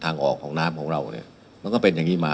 ทางออกของน้ำของเราเนี่ยมันก็เป็นอย่างนี้มา